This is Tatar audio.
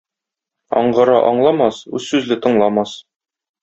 Аңгыра аңламас, үзсүзле тыңламас.